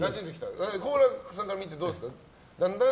好楽さんから見てどうですか？